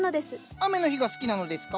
雨の日が好きなのですか？